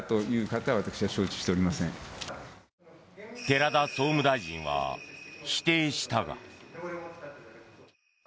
寺田総務大臣は否定したが。